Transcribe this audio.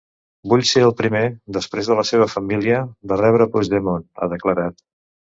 Vull ser el primer, després de la seva família, de rebre Puigdemont, ha declarat.